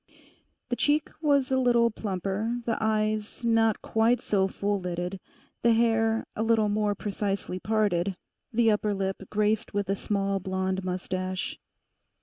The cheek was a little plumper, the eyes not quite so full lidded, the hair a little more precisely parted, the upper lip graced with a small blonde moustache.